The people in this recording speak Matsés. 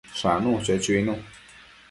Shanu, cho chuinu